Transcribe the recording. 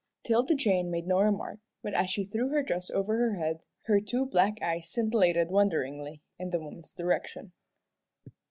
'Tilda Jane made no remark, but as she threw her dress over her head her two black eyes scintillated wonderingly in the woman's direction.